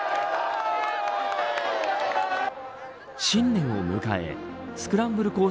新年を迎えスクランブル